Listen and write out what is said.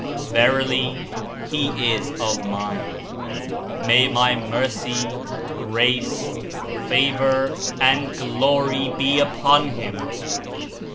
Verily, he is of Mine. May My Mercy, Grace, Favor and Glory be unto him